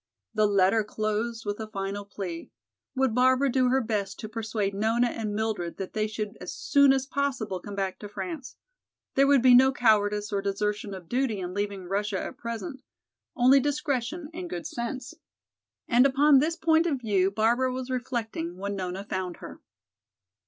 The letter closed with a final plea: would Barbara do her best to persuade Nona and Mildred that they should as soon as possible come back to France. There would be no cowardice or desertion of duty in leaving Russia at present, only discretion and good sense. And upon this point of view Barbara was reflecting when Nona found her.